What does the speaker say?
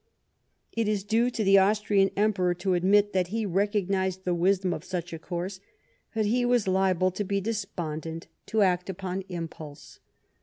It is due to the Austrian Emperor to admit that he recognised the wisdom of such a course ; but he was liable to be despondent, to act upon impulse.